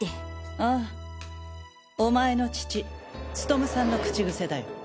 あぁお前の父務武さんの口グセだよ。